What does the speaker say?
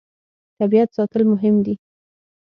طبیعت ساتل مهم دي.